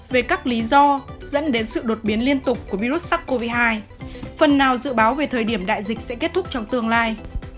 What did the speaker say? về các lý do dẫn đến sự đột biến liên tục của virus sars cov hai phần nào dự báo về thời điểm đại dịch sẽ kết thúc trong tương lai